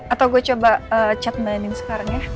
atau gue coba chat mainin sekarang ya